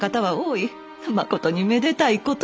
まことにめでたいことじゃ。